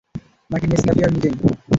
নাকি নেসক্যাফিয়ার নিজেই?